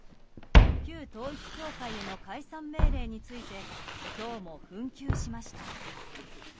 旧統一教会への解散命令について今日も紛糾しました。